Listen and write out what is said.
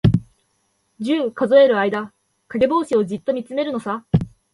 十、数える間、かげぼうしをじっとみつめるのさ。